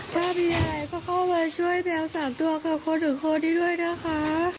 ป้าพี่ยายก็เข้ามาช่วยแมว๓ตัวกับคนอื่นคนนี้ด้วยนะคะ